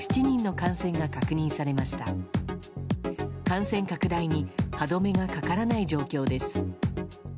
感染拡大に歯止めがかからない状況です。